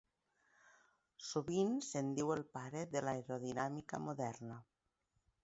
Sovint se'n diu el pare de l'aerodinàmica moderna.